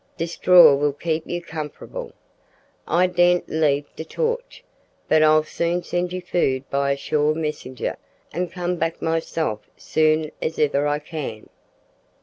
De straw will keep you comf'rable. I daren't leave de torch, but I'll soon send you food by a sure messenger, and come back myself soon as iver I can."